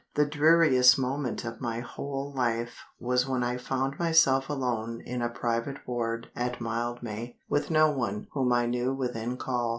The dreariest moment of my whole life was when I found myself alone in a private ward at Mildmay, with no one whom I knew within call.